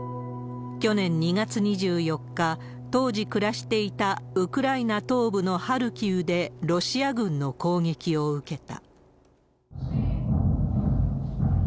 去年２月２４日、当時暮らしていたウクライナ東部のハルキウで、ロシア軍の攻撃を受けた。